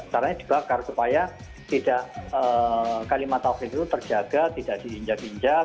caranya dibakar supaya tidak kalimat taufik itu terjaga tidak diinjak injak